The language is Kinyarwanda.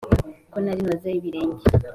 Ko nari noze ibirenge